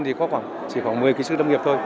thì có chỉ khoảng một mươi kỹ sư lâm nghiệp thôi